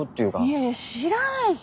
いやいや知らないし。